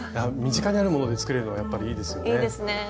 身近にあるもので作れるのがやっぱりいいですよね。